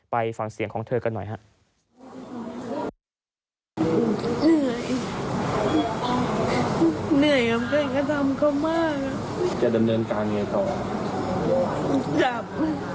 ไปฟังเสียงของเธอกันหน่อยครับ